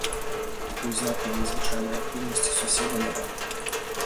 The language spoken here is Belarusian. Пакуль знакаў незвычайнай актыўнасці суседа няма.